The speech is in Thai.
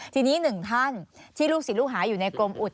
ทีนี้หนึ่งท่านที่ลูกศิษย์ลูกหาอยู่ในกรมอุด